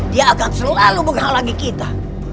dia akan selalu menghalangi kita